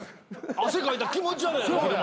汗かいたら気持ち悪いやろ昼間。